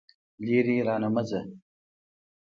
لرې رانه مه ځه.